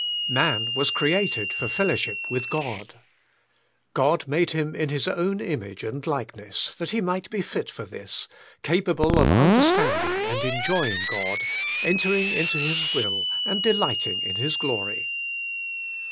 Man was created for fellowship with God. God made him in His own image and likeness, that he might be fit for this, capable of understanding and enjoying God, entering into His will and delighting in His glory.